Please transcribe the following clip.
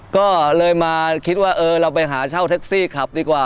ก็เลยมาคิดว่าเออเราไปหาเช่าแท็กซี่ขับดีกว่า